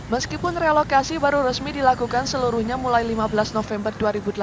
meskipun relokasi baru resmi dilakukan seluruhnya mulai lima belas november dua ribu delapan belas